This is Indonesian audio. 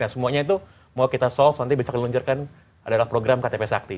nah semuanya itu mau kita solve nanti besok diluncurkan adalah program ktp sakti